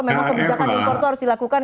memang kebijakan impor itu harus dilakukan